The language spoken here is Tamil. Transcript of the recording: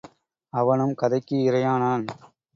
அவனும் கதைக்கு இரையானான்.